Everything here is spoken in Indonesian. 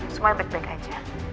semua baik baik aja